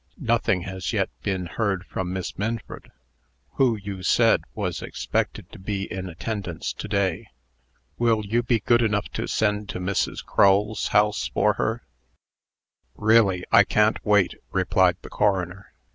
Nothing has yet been heard from Miss Minford, who, you said, was expected to be in attendance to day. Will you be good enough to send to Mrs. Crull's house for her?" "Really, I can't wait," replied the coroner.